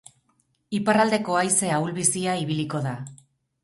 Iparraldeko haize ahul-bizia ibiliko da.